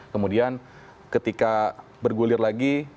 kemudian ketika bergulir lagi